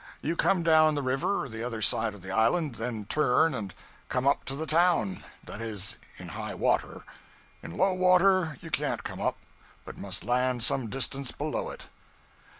You come down the river the other side of the island, then turn and come up to the town; that is, in high water: in low water you can't come up, but must land some distance below it.